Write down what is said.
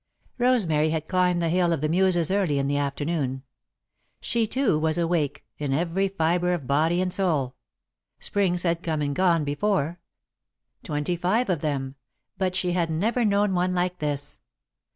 Rosemary had climbed the Hill of the Muses early in the afternoon. She, too, was awake, in every fibre of body and soul. Springs had come and gone before twenty five of them but she had never known one like this.